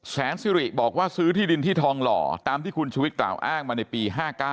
แสนสิริบอกว่าซื้อที่ดินที่ทองหล่อตามที่คุณชุวิตกล่าวอ้างมาในปี๕๙